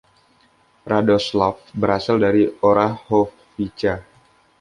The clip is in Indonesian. Radoslav berasal dari Orahovica.